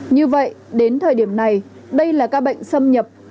như vậy đến thời điểm này đây là ca bệnh xâm nhập